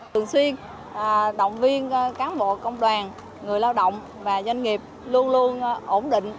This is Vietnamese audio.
thường xuyên động viên cán bộ công đoàn người lao động và doanh nghiệp luôn luôn ổn định